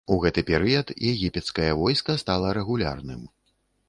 У гэты перыяд егіпецкае войска стала рэгулярным.